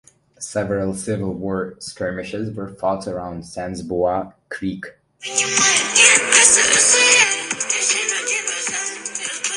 Several Civil War skirmishes were fought around Sans Bois Creek.